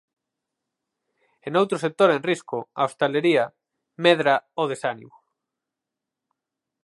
E noutro sector en risco, a hostalería, medra o desánimo.